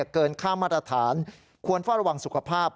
เกินค่ามาตรฐานควรเฝ้าระวังสุขภาพ